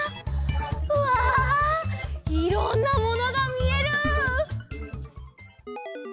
うわいろんなものがみえる！